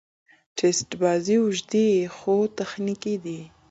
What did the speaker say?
ټېسټ بازي اوږدې يي، خو تخنیکي دي.